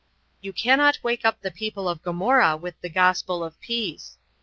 You cannot wake up the people of Gomorrah with the gospel of peace.